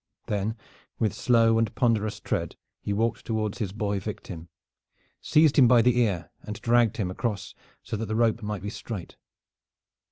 Then with slow and ponderous tread he walked toward his boy victim, seized him by the ear, and dragged him across so that the rope might be straight.